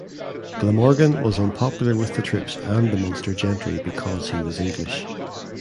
Glamorgan was unpopular with the troops and the Munster gentry because he was English.